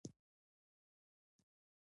د نظام اصطلاحی تعریف